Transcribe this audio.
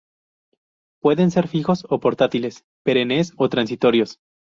Pueden ser fijos o portátiles, perennes o transitorios.